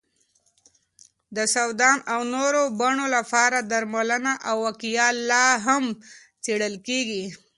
د سودان او نورو بڼو لپاره درملنه او وقایه لا هم څېړل کېږي.